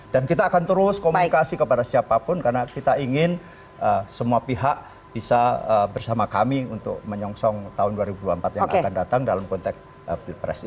dan kita akan terus komunikasi kepada siapapun karena kita ingin semua pihak bisa bersama kami untuk menyongsong tahun dua ribu dua puluh empat yang akan datang dalam konteks presiden